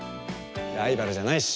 ライバルじゃないし。